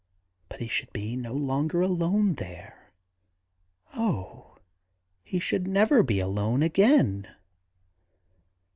But he should be no longer alone there ; oh, he should never be alone again.